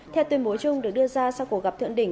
theo tuyên bố chung được đưa ra sau cuộc gặp thượng đỉnh